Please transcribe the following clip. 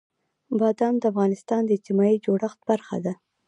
بادام د افغانستان د اجتماعي جوړښت برخه ده.